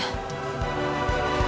saat ini dia